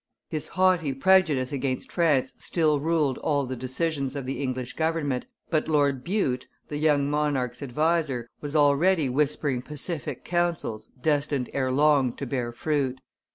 His haughty prejudice against France still ruled all the decisions of the English government, but Lord Bute, the young monarch's adviser, was already whispering pacific counsels destined ere long to bear fruit.